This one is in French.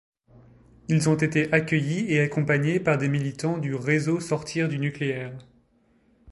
Ils ont été accueillis et accompagnés par des militants du Réseau Sortir du nucléaire.